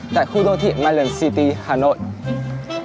tại khu đô thị myland city hà nội